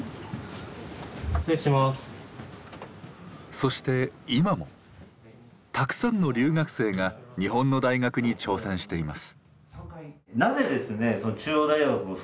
そして今もたくさんの留学生が日本の大学に挑戦しています。